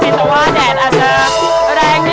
เพื่อรับความรับทราบของคุณ